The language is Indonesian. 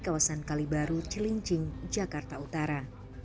kawasan kalibaru cilincing jakarta utara